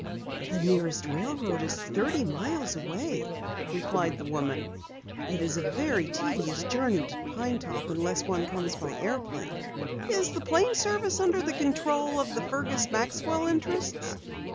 "The nearest railroad is thirty miles away," replied the woman. "It is a very tedious journey to Pine Top unless one comes by airplane." "Is the plane service under the control of the Fergus Maxwell interests?"